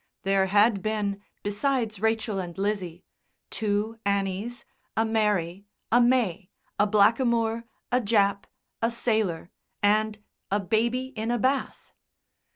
There had been, besides Rachel and Lizzie, two Annies, a Mary, a May, a Blackamoor, a Jap, a Sailor, and a Baby in a Bath.